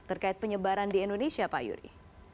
terkait penyebaran di indonesia pak yuri